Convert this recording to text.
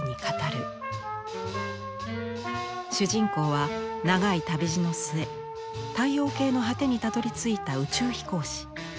主人公は長い旅路の末太陽系の果てにたどりついた宇宙飛行士。